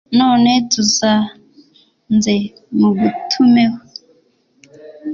None tuza nze mugutumeho